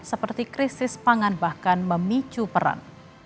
seperti krisis pangan bahkan memicu perang